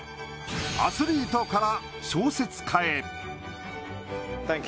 アスリートから、小説家へ。